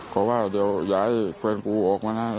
เขาว่าเดี๋ยวอย่าให้แฟนกูออกมาให้